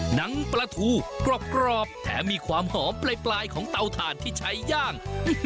หนังปลาทูกรอบแถมมีความหอมปลายของเตาถ่านที่ใช้ย่าง